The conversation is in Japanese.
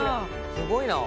「すごいな」